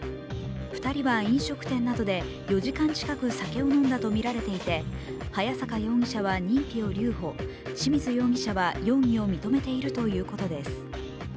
２人は飲食店などで４時間近く酒を飲んだとみられていて早坂容疑者は認否を留保清水容疑者は容疑を認めているということです。